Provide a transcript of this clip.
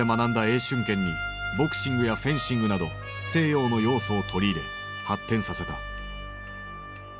春拳にボクシングやフェンシングなど西洋の要素を取り入れ発展させた。